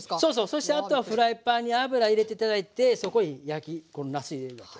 そしてあとはフライパンに油入れて頂いてそこにこのなす入れるわけ。